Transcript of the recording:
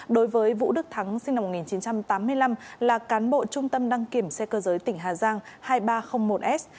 đối với vũ đức thắng sinh năm một nghìn chín trăm tám mươi năm là cán bộ trung tâm đăng kiểm xe cơ giới tỉnh hà giang hai nghìn ba trăm linh một s